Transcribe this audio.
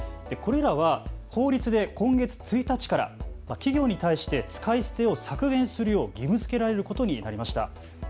これらは法律で今月１日から企業に対して使い捨てを削減するよう義務づけられることになりました。